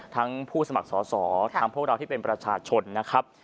ผู้สมัครสอสอทั้งพวกเราที่เป็นประชาชนนะครับ